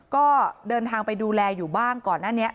ก็เดินทางไปดูแลอยู่บ้างก่อนหน้านี้